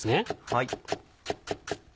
はい。